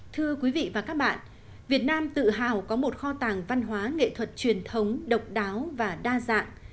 thưa quý vị và các bạn việt nam tự hào có một kho tàng văn hóa nghệ thuật truyền thống độc đáo và đa dạng